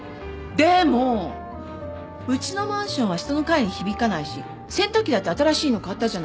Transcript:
でもうちのマンションは下の階に響かないし洗濯機だって新しいの買ったじゃない。